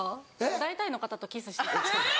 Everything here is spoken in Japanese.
大体の方とキスしてたから。